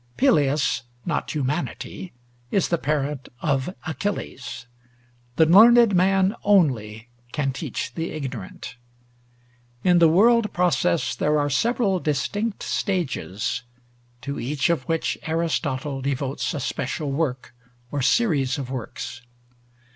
Peleus, not humanity, is the parent of Achilles; the learned man only can teach the ignorant. In the world process there are several distinct stages, to each of which Aristotle devotes a special work, or series of works.